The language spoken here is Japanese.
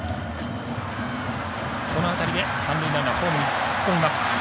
このあたりで、三塁ランナーホームに突っ込みます。